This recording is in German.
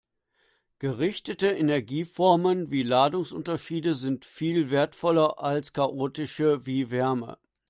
Gerichtete Energieformen wie Ladungsunterschiede sind viel wertvoller als chaotische wie Wärme.